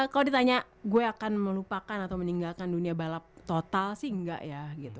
kalau ditanya gue akan melupakan atau meninggalkan dunia balap total sih nggak ya gitu